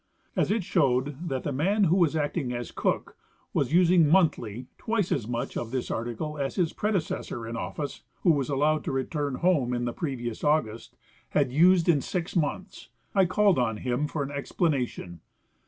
As it showed that the .man who Avas acting as cook Avas using monthly tAvice as much of this article as his predecessor in office (AA'ho was alloAved to return home in the previous August) had used in six months, I called on him for an explanation.